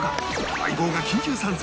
『相棒』が緊急参戦！